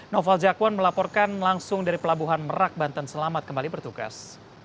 noval jakwan melaporkan langsung dari pelabuhan merak banten selamat kembali bertugas